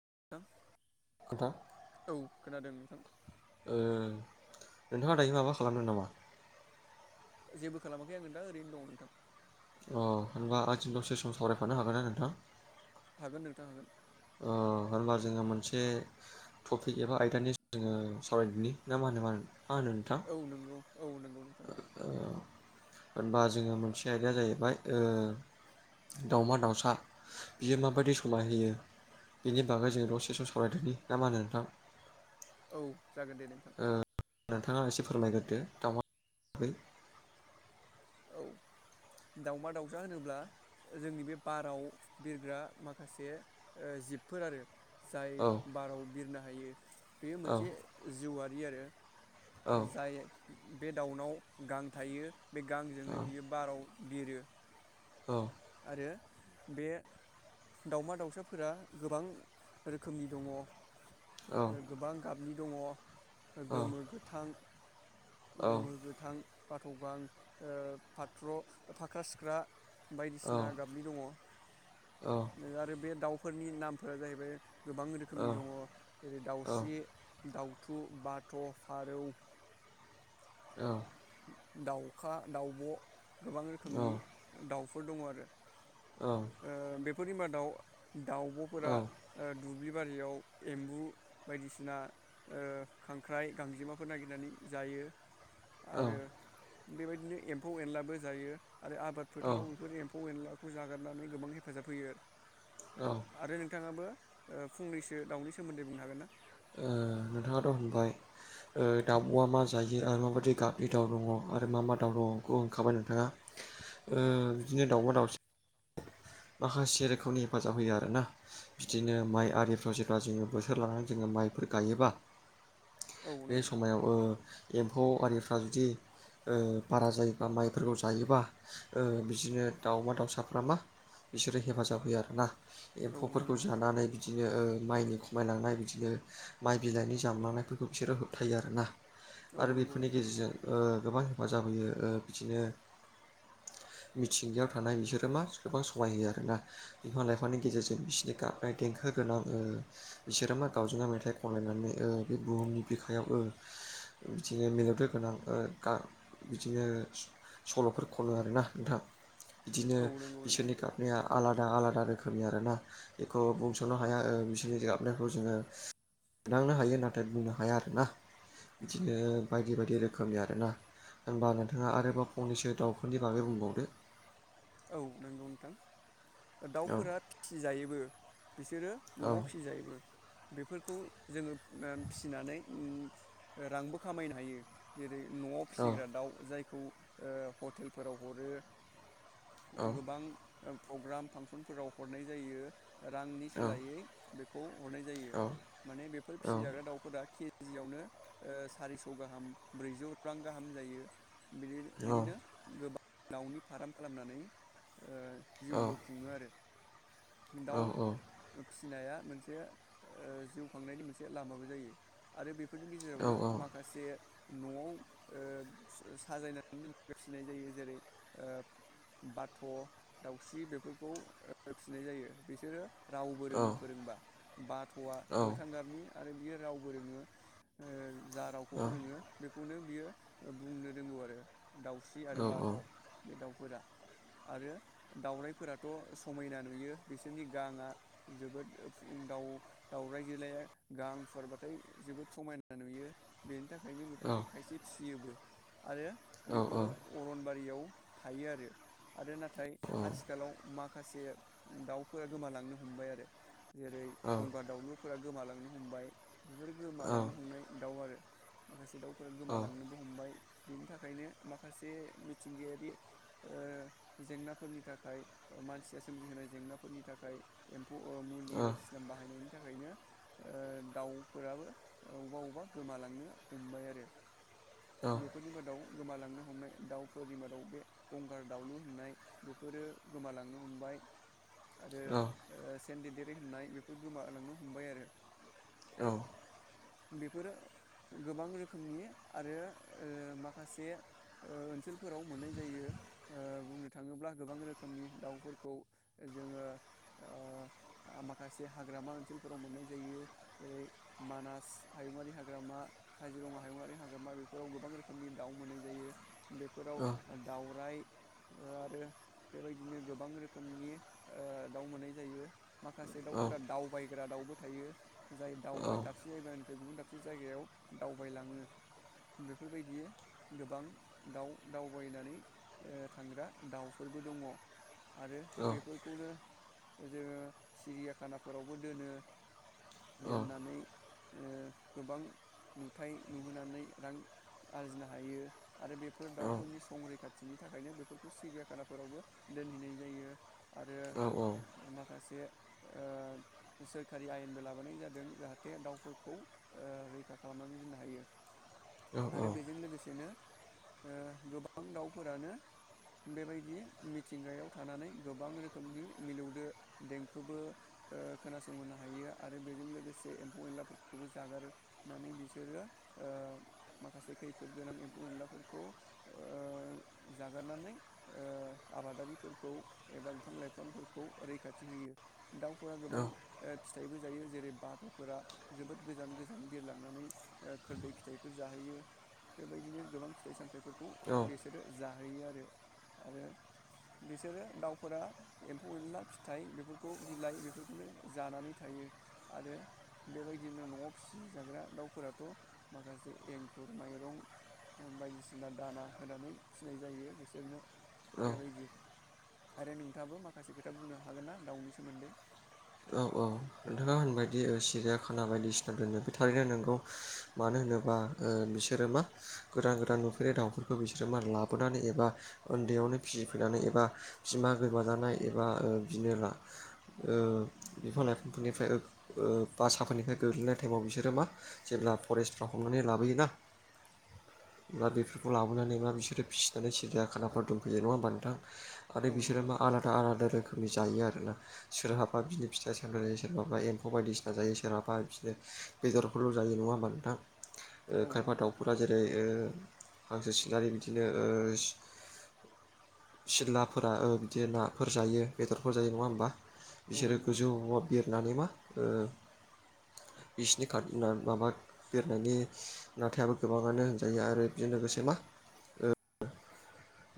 [unintelligible] [unintelligible] औ खोनादों नोंथां नोंथाङा दायो माबा खालामदों नामा? जेबो खालामाखै आङो दा ओरैनो दङ नोंथां। अ होनबा [unintelligible] दसे सम सावरायफानो हागोन ना नोंथां। हागोन नोंथां हागोन। होनबा जोङो मोनसे टपिक एबा आयदानि जोङो सावरायनि ना मा होनो मा [unintelligible] नोंथां औ नंगौ औ नंगौ नोंथां ओ होनबा जोङो मोनसे आयदाया जाहैबाय दावमा- दाउसा बियो माबायदि समाय होयो बेनि बागै जो दसेस- सरायदोनि ना मा होनो नोंथां? औ। जागोन दे नोंथां। नोंथाङा एसे फोरमायग्रोदो दावा माब्रै औ दाउमा दाउसा होनोब्ला जोंनि बे बाराव बिरग्रा माखासे जिबफोर आरो। जाय औ बाराव बिरनो हायो बेयो औ मोनसे जिउआरि आरो। औ जायो बे दाउनाव गां थायो बे गांजोंनो बियो बाराव बिरो औ आरो बे दावमा दाउसाफोरा गोबां रोखोमनि दङ। औ गोबां गाबनि दङ औ गोमो गोथां गोमो गोथां बाथ गां ओ फाथ्र फाख्रा सिख्रा बायदिसिना गाबनि औ दङ आरो बे दाउ फोरनि नामफोरा जाहैबाय गोबां औ रोखोमनि दङ जेरै औ दाउस्रि दाउ खौ बाथ फारौ। औ दाउखा दाउब। गोबां रोखोमनि दाउ फोर दङ आरो आ फोरनि मादाव। दाउबफोरा ओ-दु दुब्लि बारियाव एम्बु बायदिसिना ओ- खांख्राइ गांजेमाफोर नागिरनानै जायो। आरो औ। बेबायदिनो एम्फौ एनलाबो जायो। आरो आबाद फोथाराव बेफोर एम्फौ एनला। [unintelligible] जाग्रोना फाय गोबां हेफाजाब होयो ओ आरो आरो नोंथाङाबो ओ फुंनैसो दाउनि सोमोन्दै बुंनो हागोन ना। ओ-नोंथाङाथ होनबाय ओ-दाउबआ मा जायो आरो माबायदि गाबनि दाउ दङ आरो मा मा दाउ दङ बेखौ होनखाबाय नोंथाङा ओ-बिदिनो दाउमा दाउस माखासे रोखोमनि हेफाजाब होयो आरोना बिदिनो माइ आरिफ्राव जेब्ला जोङो बोथोर लानानै जोङो माइफोर गायोबा। औ बे नंगौ नोंथां समायाव ओ एम्फौ आरिफ्रा जुदि ओ बारा जायोबा माइफोरखौ जायोबा ओ बिदिनो दाउमा दाउसाफ्रा मा बिसोरो हेफाजाब होयो आरो ना औ एम्फौफोरखौ नंगौ नोंथां जानानै बिदि बिदिनो ओ माइनि खमायलांनाय बिदिनो माइ बिलाइनि जामलांनायफोरखौ बिसोरो होबथायो आरो ना औ आरो नंगौ बेफोरनि नोंथां गेजेरजों ओ गोबां मा जाबोयो ओ बिदिनो मिथिंगायाव थानाय बिसोरो मा सोरबा सम समायहोयो आरोना बिफां लाइफांनि गेजेरजों बिसोरनि गाबनाय देंखो गोनां ओ बिसोरो मा गावजों‌ गाव मेथाइ खनलायनानै ओ बे बुहुमनि बिखायाव ओ बिदिनो मिलौदो गोनां ओ गा बिदिनो सल'फोर ख'नो आरोना नोंथां बिदिनो औ नंगौ नोंथां बिसोरनि आलादा आलादा रोखोमनि आरोना बेखौ बुंस'नो हाया ओ बिसोरनि गाबनायखौ जोङो मोनदांनो हायो नाथाय बुंनो हाया आरोना बिदिनो बायदि बायदि रोखोमनि आरोना होनबा नोंथाङा आरोबाव फंनैसो दाउफोरनि बागै बुंबावदो औ नोंगौ नोंथां दाउफोरा फिसिजायोबो बिसोरो न'आव फिसिजायोबो बेफोर खौ जोङो फिसिनानै रांबो खामायनो हायो जेरै न'आव फिसिग्रा दाउ जायखौ ओ हटेलफोराव हरो गोबां ओ प्रग्राम फांसनफोराव हरनाय जायो रांनि सोलायै बे खौ हरनाय जायो माने बेफोर फिसिजाग्रा दाउफोरा के केजियावनो सारिस' गाहाम ब्रैजौ रां गाहाम जायो बिदि बिदिनो गोबां दावनि फार्म खालामनानै ओ जिउबो खुङो आरो दाउ फि फिनाया मोनसे ओ जिउ खांनायनि मोनसे लामाबो जायो आरो बे फोरनि गेजेरावनो माखासे न'आव ओ साजायनानै फिनाय जायो जेरै ओ बाथ' दाउस्रि बेफोरखौ ओ फिनाय जायो बिसोरो रावबो रोङो फोरोंबा बाथ'आ गोथां गाबनि आरो बियो रावबो रोङो ओ जा रावखौ फोरोङो बे खौनो बियो बुंनो रोंगौ आरो दाउस्रि आरो बाथ' बे दाउ फोरा। आरो दाउरायफोराथ' समायना नुयो बिसोरनि गाङा जोबोद दाउ दावउराय जोलाया गां फुवारबाथाय जोबोद समायना नुयो बेनि थाखाय। ओंखायनो बेफोरखौ खायसे फियोबो। आरो बेफोरो अरनबारियाव। थायो आरो। ओरो ना। नाथाय आथिखालाव मा। माखासे दाउफोरा गोमालांनो हमबाय आरो। जेरै गंगार दाउलुरफोरा। गोमालांनो हमबाय। बेफोर गोमालांनो हमनाय दाउ आरो। माखासे दाउ। फोर गोमालांनोबो हमबाय। बिनि थाखायनो माखासे मिथिंगायारि ओ। जेंनाफोरनि थाखाय मानसिया सोमजिहोनाय जेंनाफोरनि थाखाय। ओ मुलि बायदिसिना बाहायनायनि। थाखायनो ओ दाउफोराबो अबेबा अबेबा गोमालांनो हमबाय आरो। बेफोरनि मादाव गोमालांनो हमनाय दाउफोरनि मादाव बे गंगार दाउलुर। खुंनाय बेफोरो गोमालांनो हमबाय। आरो ओ सेन्डद। है होननाय बेफोर गोमालांनो हमबाय आरो। औ। बेफोरो गोबां रोखोमनि आरो ओ माखासे ओ ओनसोलफोराव मोननाय जायो ओ बुंनो थाङोब्ला गोबां रोखोमनि दाउफोरखौ जोङो ओ माखासे हाग्रामा ओनसोलफोराव मोननाय जायो जेरै मानास। हायुङारि हाग्रामा काजिरङा हायुङारि हाग्रामा बेफोराव गोबां रोखोमनि दाउ मोननाय जायो। बेफोराव दावराय। आरो बेबायदिनो गोबां रोखोमनि ओ दाउ मोननाय जायो। माखासे दाउफोरा दावबायग्रा दाउ। बो थायो जाय दावबाय दा। दसे जायगानिफ्राय गुबुन दाबसे जायगायाव दावबायलाङो बेफोरबायदि गोबां दाउ दावबायनानै थांग्रा दाउफोरबो दङ। आरो बेफोरखौनो। जोङो सिरियाखानाफोरावबो दोनो। दोननानै। ओ गोबां नुथाय नुहोनानै रां आरजिनो हायो। आरो बेफोर दाउफोरनि संरैखा। थिनि थाखायनो बेफोरखौ सिरियाखानाफोरावबो दोनहैनाय जायो। आरो माखासे ओ सोरखारि आयेनबो लाबोनाय जादों जाहाथे दाउ खौ ओ रैखा खालामनानै दोननो हायो। आरो बेजों लोगोसेनो ओ गोबां दाउफोरानो बेबायदि मिथिंगायाव थानानै गोबां रोखोमनि मिलौदो देंखोबो ओ खोनासंहोनो हायो आरो बेजों लोगोसे एम्फौ एनलाफोरखौ खौबो जागारनानै बिसोरो ओ माखासे खैफोद गोनां एम्फौ एनलाफोरखौ ओ जागारनानै ओ आबादारिफोरखौ एबा बिफां लाइफांफोरखौ रैखाथि होयो। दाउफोरा गोबां ओ फिथाइबो जायो जेरै बाथ'फोरा जोबोद गोजान गोजान बिरलांनानै खोरदै फिथाइफोर जाहोयो। बेबायदिनो गोबां फिथाइ सामथायाइ फोरखौ बिसोरो जाहोयो आरो। आरो बिसोरो दाउफोरा एम्फौ एनला फिथाइ बेफोरखौ बिलाइ बेफोरखौनो जानानै थायो। आरो। बेबायदिनो न'आव फिसिजाग्रा दाउफोराथ' माखासे एंखुर माइरं बायदिसिना दाना होनानै फिसिनाय जायो। बिसोरनो बेबायदि आरो नोंथाङाबो माखासे खोथा बुंनो हागोन ना दाउनि सोमोन्दै? औ औ नोंथाङा होनबायदि सिरिाया खाना बायदिसिना दोनो बे थारैनो नोंगौ मानो होनोबा बिसोरो मा गोदान गोदान नुफेरनाय दाउफोरखौ बिसोरो मा लाबोनानै एबा उन्दैयावनो फिसिफैनानै एबा बिमा गोमाजानाय एबा ओ बिनो ओ बिफां लाइफांफोरनिफ्राय ओ बासाफोरनिफ्राय गोग्लैनाय टाइमाव बिसोरो मा जेब्ला फरेस्टफ्राव हमनानै लाबोयोना बा बेफोरखौ लाबोनानै मा बिसोरो फिसिनानै सेरिया खानाफोर दंफैयो नङा होमबा नोंथां? आरो औ बिसोरो नंगौ मा नोंथां आलादा आलादा रोखोम रोखोमनि जायो आरोना सोरहाबा बिनो फिथाइ सामनानै सोरबाबा एम्फौ बायदिसिना जायो सोरहाबा बिदिनो बेदरफोरल' जायो नङा होमबा नोंथां? ओ औ खायफा नंगौ नोंथां दाउफोरा जेरै ओ हांसो सिलारि बिदिनो ओ सिलाफोरा बिदि नाफोर जायो। बेदरफोर जायो नङा औ होमबा? औ बिसोरो नंगौ नोंथां गोजौआववा बिरनानै मा ओ बिसिनि खार माबा बेरनायनि नाथायाबो गोबाङानो होनजायो। आरो बेजों लोगोसे मा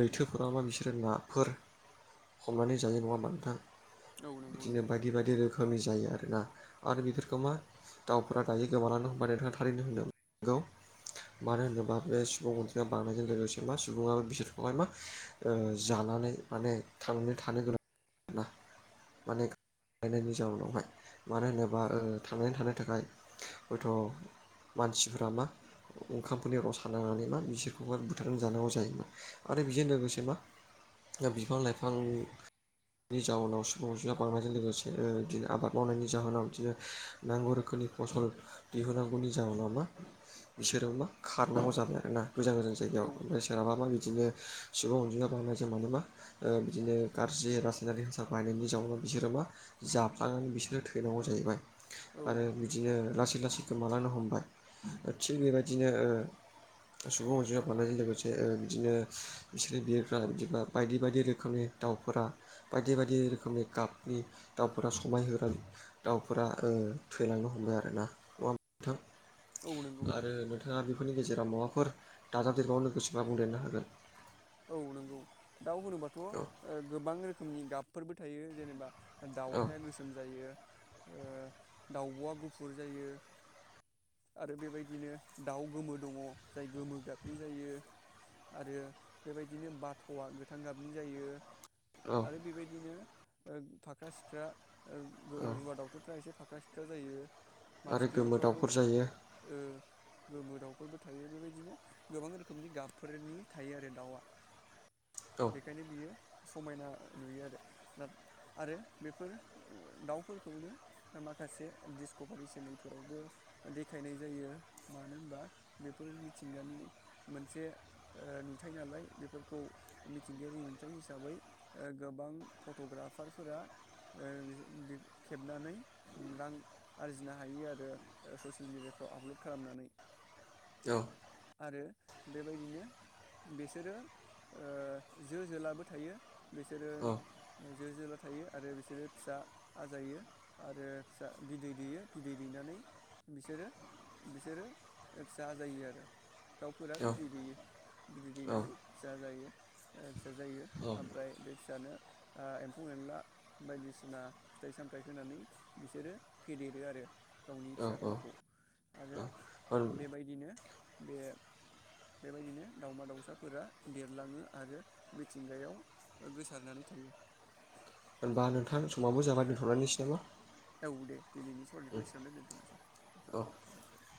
लैथोफोराव मा बिसोरो नाफोर हमनानै जायो नङा होमा नोंथां? औ नंगौ बिदिनो नोंथां बायदि बायदि रोखोमनि जायो आरो आरोना। आरो बेफोरखौ मा दाउफोरा दायो गोमानानै होमबा नोंथाङा थारैनो होनदों। [unintelligible] मानो होनोबा बे सुबुं अनजिमाया बांनायजों लोगोसे मा सुबुङाब बिसोरखौहाय मा ओ जानानै माने थांनानै थानो गोनां आरोना। माने बायनायनि जाउनावहाय मानो होनोबा थांनानै थानो थाखाय हयथ' मानसिफोरा मा ओंखामफोरनि रसा नांनानै मा बिसोरखौह बुथारनानै जानांगौ जायोमोन। आरो बेजों लोगोसे मा बिफां लाइफांनि जाउनाव सुबुं अनजिमा बांनायजों लोगोसे ओ बिदिनो आबाद मावनायनि जाहोनाव बिदिनो नांगौ रोखोमनि फसल दिहुनांगौनि जाहोनाव मा बिसोरो मा खारनांगौ जाबाय आरोना। गोजान गोजान जायायाव औ ओमफ्राय सोरहाबा मा बिदिनो सुबुं अनजिमा बांनाय [unintelligible] मानोबा बिदिनो गाज्रि रासायनारि हासार बाहायनायनि जाउनाव बिसोरो मा जाफ्लांनानै बिसोरो थैनांगौ जाहैबाय। औ आरो बिदिनो लासै लासै गोमालांनो हमबाय थिग बेबायदिनो ओ सुबुं अनजिमा बानायजों लोगोसे ओ बिदिनो बिसोर बिरफ्रा बिदिबा बायदि बायदि रोखोमनि दाउफोरा बायदि बायदि रोखोमनि गाफ' दाउफोरा समायहोग्रा दाउफोरा ओ थैेलांनो हमबाय आरोना ना। ‌ नंङा होमबा नोंथां? औ नंगौ नोंथां आरो नोंथाङा बेफोरनि गेजेराव [unintelligible] मुवाफोर दाज देरबावनो गोसोबा बुंदेरनो हागोन। औ नंगौ। दाउ होनोबाथ' औ ओ गोबां रोखोमनि गाब फोरबो थायो जेनेबा औ दाउखाया गोसोम जायो। ओ दाउब'आ गुफुर जायो आरो बेबायदिनो दाउ गोमो दङ जाय गोमो गाबनि जायो आरो बेबायदिनो बाथ'आ गोथां गाबनि जायो, औ आरो बेबायदिनो फाख्रा सिख्रा ओ औ रुवा दावउथुनफ्रा एसे फाख्रा सि ख्रा जायो आरो गोमो फाथिखेरौफ्राबो दाउफोर जायो ओ गोमोराव फोरबो थायो बेबायदिनो गोबां रोखोमनि गाबफोरनि थायो आरो दाउआ औ बेखायनो बियो समायना नुयो आरो दा आरो बेफोर दाउफोरखौनो माखासे डिसक'भारि सेनेलफोरावबो देखायनाय जायो मानो होनबा बेफोर मिथिंगानि मोनसे नुथाय नालाय बेफोरखौ मिथिंगायारि नुथाय हिसाबै ओ गोबां फट'ग्राफारफोरा ओ खेबनानै रां आरजिनो हायो आरो ससियेल मिडियाफ्राव आपलड खालामनानै औ' आरो बेबायदिनो बिसोरो ओ जो जोलाबो थायो बिसोरो औ जो जोला थायो आरो बिसोरो फिसा आजायो आरो फिसा बिदै दैयो बिदै दैनानै बिसोरो बिसोरो फिसा आजायो आरो दाउफोरा बिदै दैेयो बिदै दैनानै फिसा जायो ओ जायो ओमफ्राय बे दानो आरो आ एम्फौ एनला बायदिसिना फिथाइ सामथाइ होनानै बिसोरो फेदेरो आरो गावनि औ फिसाफोरखौ आरो औ बेबायदिनो बे बेबायदिनो दावमा दाावसाफोरा देरलाङो आरो मिथिंगायाव गोसारनानै थायो होनबा नोंथां समावबो जाबाय दोन्थ'नानैसै नामा औ दे दिनैनि सावरायनायखौ एसेबांनो दोन्थ'नोसै नोंथां औ साबायखर थाबाय